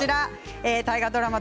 大河ドラマ